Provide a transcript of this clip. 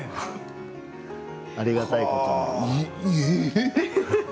ありがたいことです。